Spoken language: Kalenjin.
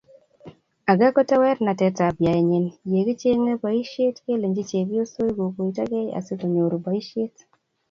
Age ko tewernatetab yaenyi yokichenge boisiet kelechini chepyoso kokoito kei asikonyor boisiet